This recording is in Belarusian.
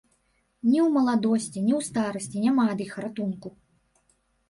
Ні ў маладосці, ні ў старасці няма ад іх ратунку!